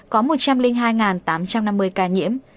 có một trăm linh hai tám trăm năm mươi ca nhiễm